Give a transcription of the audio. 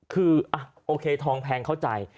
คือโอเคทองแพงเข้าใจ